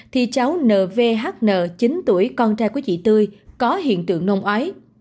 thì cháu nvhn chín tuổi con trai của chị tươi có hiện tượng nôn ói